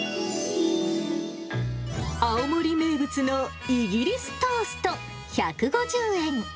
青森名物のイギリストースト１５０円。